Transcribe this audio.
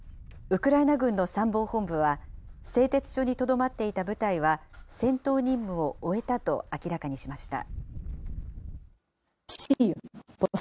ウクライナ軍の参謀本部は、製鉄所にとどまっていた部隊は、戦闘任務を終えたと明らかにしました。